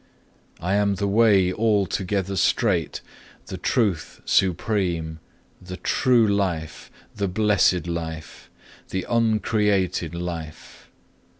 I am the Way altogether straight, the Truth supreme, the true Life, the blessed Life, the uncreated Life.